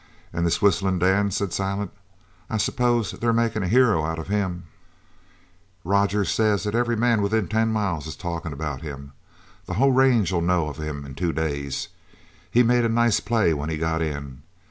"An' this Whistlin' Dan," said Silent. "I s'pose they're makin' a hero out of him?" "Rogers says every man within ten miles is talkin' about him. The whole range'll know of him in two days. He made a nice play when he got in.